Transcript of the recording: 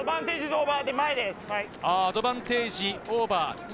アドバンテージオーバー。